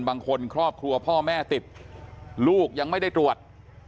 บางคนครอบครัวพ่อแม่ติดลูกยังไม่ได้ตรวจ